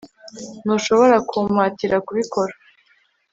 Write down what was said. ntushobora kumpatira kubikora